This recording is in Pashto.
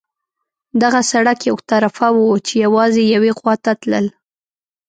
دغه سړک یو طرفه وو، چې یوازې یوې خوا ته تلل.